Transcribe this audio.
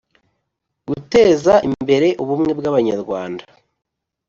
guteza imbere ubumwe bw abanyarwanda